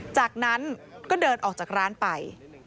จากนั้นก็เดินออกจากร้านไป